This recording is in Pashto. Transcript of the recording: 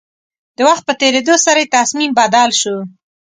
د وخت په تېرېدو سره يې تصميم بدل شو.